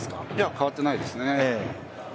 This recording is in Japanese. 変わってないですね。